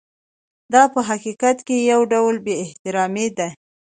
دا په حقیقت کې یو ډول بې احترامي ده.